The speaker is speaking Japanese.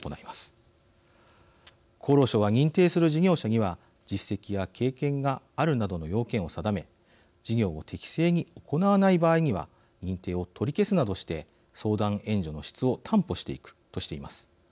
厚労省は認定する事業者には実績や経験があるなどの要件を定め事業を適正に行わない場合には認定を取り消すなどして相談援助の質を担保していくとしています。